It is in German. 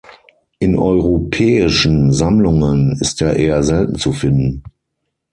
In europäischen Sammlungen ist er eher selten zu finden.